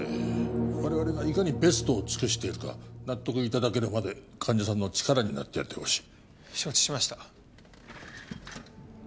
我々がいかにベストを尽くしているか納得いただけるまで患者さんの力になってやってほしい承知しました